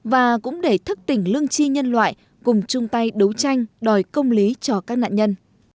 và cũng để thức tỉnh lương chi nhân loại cùng chung tay đấu tranh đòi công lý cho các nạn nhân